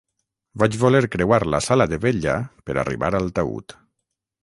Vaig voler creuar la sala de vetlla per arribar al taüt.